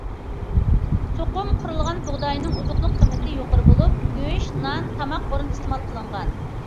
سوقۇم، قورۇلغان بۇغداينىڭ ئوزۇقلۇق قىممىتى يۇقىرى بولۇپ، گۆش، نان، تاماق ئورنىدا ئىستېمال قىلىنغان.